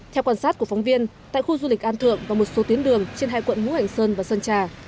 theo quan sát của phóng viên tại khu du lịch an thượng và một số tuyến đường trên hai quận hữu hành sơn và sơn trà